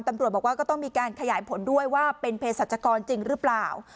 ตำรวจบอกว่าก็ต้องมีการขยายผลด้วยว่าเป็นเพศรัชกรจริงหรือเปล่า